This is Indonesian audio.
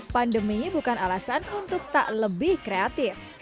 pandemi bukan alasan untuk tak lebih kreatif